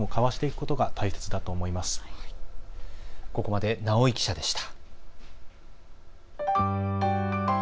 ここまで直井記者でした。